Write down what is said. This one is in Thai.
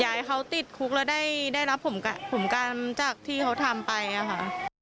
อยากให้เขาติดคุกแล้วได้รับผลกรรมจากที่เขาทำไปค่ะ